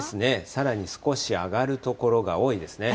さらに少し上がる所が多いですね。